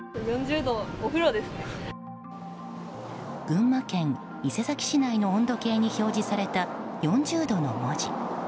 群馬県伊勢崎市内の温度計に表示された４０度の文字。